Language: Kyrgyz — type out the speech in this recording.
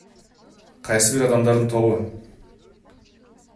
Кайсы бир адамдардын тобу.